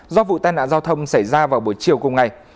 do vụ tai nạn giao thông xảy ra vào buổi chiều cùng ngày